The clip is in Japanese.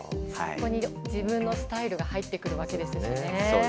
そこに自分のスタイルが入ってくるわけですよね。